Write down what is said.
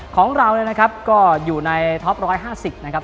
ของเราเลยนะครับก็อยู่ในท็อปร้อยห้าสิบนะครับ